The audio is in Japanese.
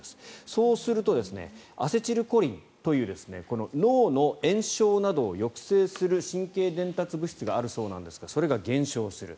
そうするとアセチルコリンという脳の炎症などを抑制する神経伝達物質があるそうなんですがそれが減少する。